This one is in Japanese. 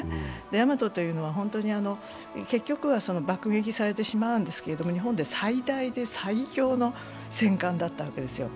「大和」というのは結局は爆撃されてしまうんですが日本で最大で最強の戦艦だったわけですよ。